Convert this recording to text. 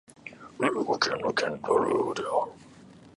ルーゴ県の県都はルーゴである